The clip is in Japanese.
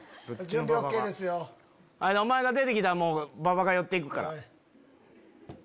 お前が出て来たら馬場が寄って行くから。